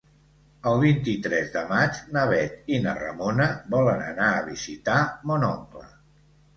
El vint-i-tres de maig na Bet i na Ramona volen anar a visitar mon oncle.